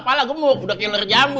kepala gemuk udah killer jamu